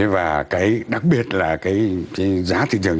và đặc biệt là giá thị trường